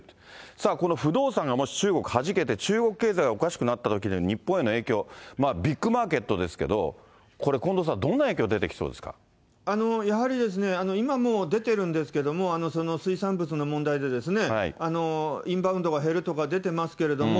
さあ、この不動産がもし中国弾けて、中国経済がおかしくなったときの日本への影響、ビッグマーケットですけど、これ、近藤さん、やはり今もう出てるんですけども、水産物の問題でですね、インバウンドが減るとか出てますけれども、